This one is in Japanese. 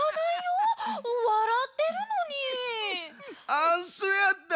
あっそやった。